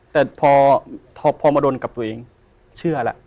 แต่พอมาโดนกับตัวเองเชื่อแล้ว